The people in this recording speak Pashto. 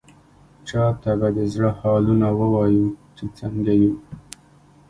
چا ته به د زړه حالونه ووايو، چې څنګه يو؟!